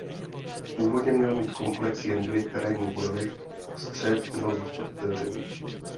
Původně měl mít komplex jen dvě krajní budovy a střed měl zůstat otevřený.